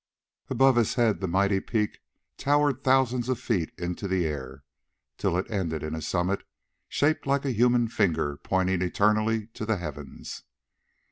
Above his head the mighty peak towered thousands of feet into the air, till it ended in a summit shaped like a human finger pointing eternally to the heavens.